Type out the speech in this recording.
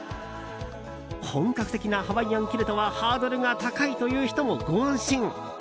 本格的なハワイアンキルトはハードルが高いという人もご安心。